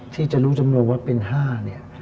ที่จะรู้จำนวนว่าเป็น๕เนี่ย